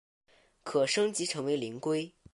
可升级成为灵龟。